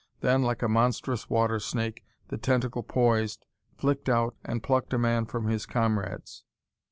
Then, like a monstrous water snake, the tentacle poised, flicked out and plucked a man from his comrades.